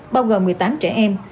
bao gồm một mươi tám trẻ em